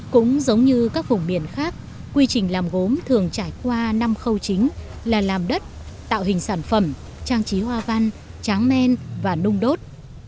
cũng giống như các vùng miền khác quy trình làm gốm thường trải qua năm khâu chính là làm đất tạo hình sản phẩm trang trí hoa văn tráng men và nung đốt